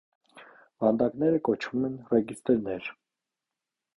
Վանդակները կոչվում են ռեգիստրներ։